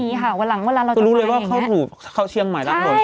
วันหลังเวลาเราจะมาอย่างงี้ก็รู้เลยว่าเข้าถูกเข้าเชียงใหม่แล้ว